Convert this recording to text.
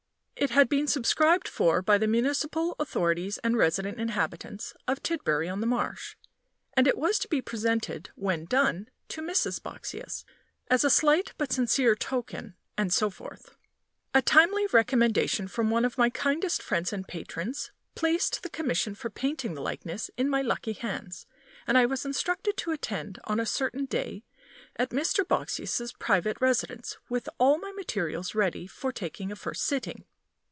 It had been subscribed for by the "Municipal Authorities and Resident Inhabitants" of Tidbury on the Marsh; and it was to be presented, when done, to Mrs. Boxsious, "as a slight but sincere token" and so forth. A timely recommendation from one of my kindest friends and patrons placed the commission for painting the likeness in my lucky hands; and I was instructed to attend on a certain day at Mr. Boxsious's private residence, with all my materials ready for taking a first sitting.